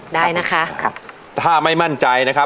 ได้นะคะ